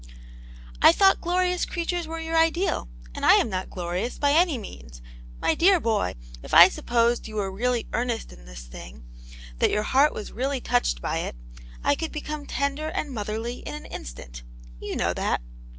" I thought glorious creatures were your ideal, and I am not glorious, by any means. My dear boy, if I supposed you were really in earnest in this thing, that your heart was really touched by it, I could beconie tender and motherly in an instant. You know that."